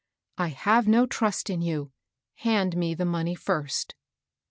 '* I have no trust in you. Hand me the money first."